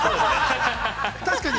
◆確かに。